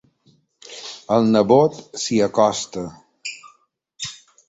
El nebot s'hi acosta.